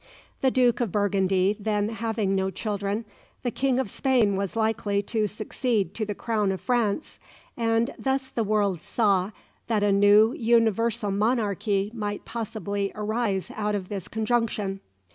The Duke of Burgundy then having no children, the King of Spain was likely to succeed to the crown of France, and thus the world saw that a new universal monarchy might possibly arise out of this conjunction.